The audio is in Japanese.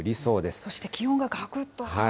そして気温ががくっと下がって。